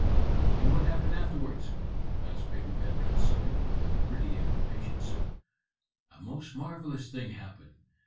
"And what happened afterwards?" asked Baby Van Rensselaer, with a pretty impatience. "A most marvelous thing happened.